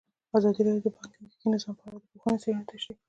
ازادي راډیو د بانکي نظام په اړه د پوهانو څېړنې تشریح کړې.